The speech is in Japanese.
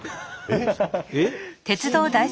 えっ？